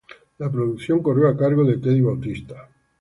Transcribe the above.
La producción corrió a cargo de Teddy Bautista.